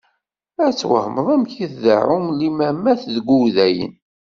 Ad twehmeḍ amek deɛɛun limamat deg Udayen.